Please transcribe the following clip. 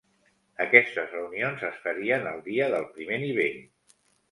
Aquestes reunions es farien el dia del primer nivell.